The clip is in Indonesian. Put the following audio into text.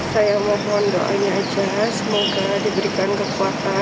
saya mohon doanya aja semoga diberikan kekuatan